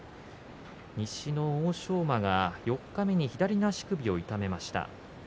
西の欧勝馬が四日目に左の足首を痛めました。